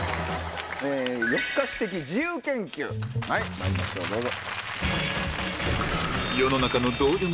まいりましょうどうぞ。